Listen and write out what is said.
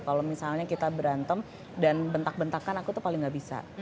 kalau misalnya kita berantem dan bentak bentakan aku tuh paling gak bisa